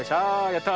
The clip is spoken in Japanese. やった！